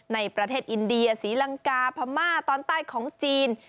ในประเทศอินเดียศรีลังกาพม่าตอนใต้ของจีน